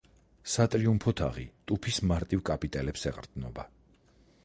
სატრიუმფო თაღი ტუფის მარტივ კაპიტელებს ეყრდნობა.